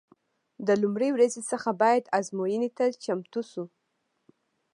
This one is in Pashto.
د لومړۍ ورځې څخه باید ازموینې ته چمتو شو.